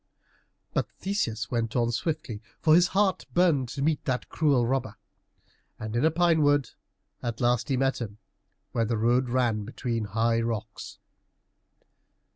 But Theseus went on swiftly, for his heart burned to meet that cruel robber. And in a pine wood at last he met him, where the road ran between high rocks.